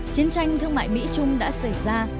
chiến tranh thương mại mỹ trung đã xảy ra